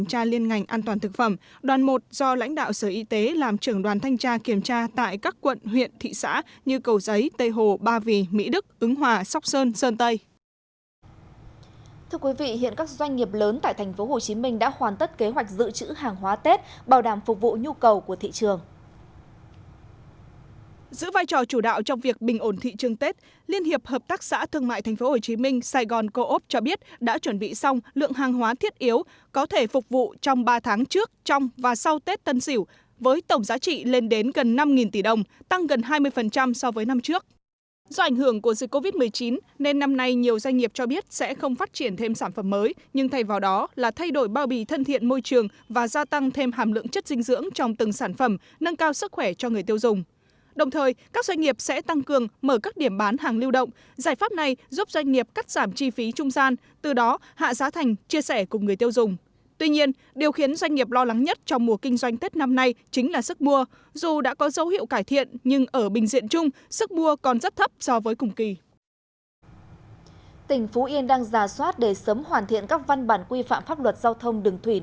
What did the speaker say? tỉnh phú yên đang ra soát để sớm hoàn thiện các văn bản quy phạm pháp luật giao thông đường thủy nội địa theo hướng tiếp tục hỗ trợ thúc đẩy phát triển vận tải thủy nội địa và vận tải ven biển đặc biệt là phương tiện thủy nội địa vận tải ven bờ biển